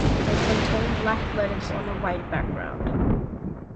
They contain black letters on a white background.